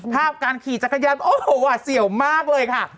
ภาพการขี่จักรยานโอ้โหหวาดเสี่ยวมากเลยค่ะ